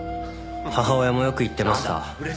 母親もよく言ってました。